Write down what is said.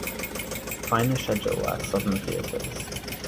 Find the schedule at Southern Theatres.